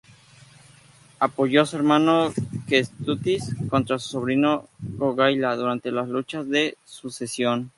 Apoyó a su hermano Kęstutis contra su sobrino Jogaila durante las luchas de sucesión.